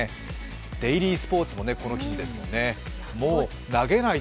「デイリースポーツ」もこの記事ですもんね。